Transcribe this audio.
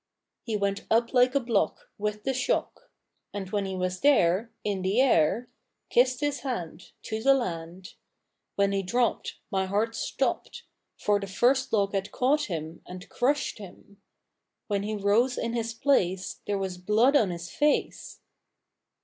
He went up like a block With the shock; And when he was there, In the air, Kissed his hand To the land. When he dropped My heart stopped, For the first log had caught him And crushed him; When he rose in his place There was blood on his face.